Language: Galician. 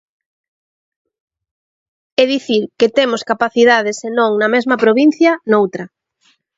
É dicir, que temos capacidade se non na mesma provincia, noutra.